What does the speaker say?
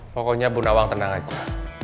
pokoknya bu nawang tenang aja